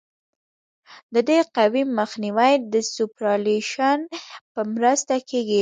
د دې قوې مخنیوی د سوپرایلیویشن په مرسته کیږي